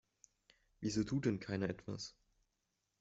Wieso tut denn keiner etwas?